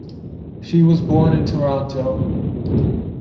She was born in Toronto.